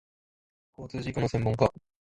交通事故の専門家